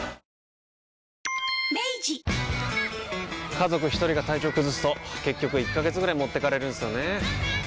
家族一人が体調崩すと結局１ヶ月ぐらい持ってかれるんすよねー。